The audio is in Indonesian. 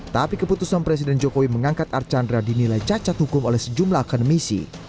tapi keputusan presiden jokowi mengangkat archandra dinilai cacat hukum oleh sejumlah akademisi